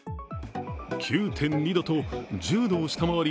９．２度と１０度を下回り